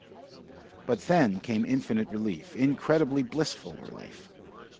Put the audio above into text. But then came infinite relief, incredibly blissful relief.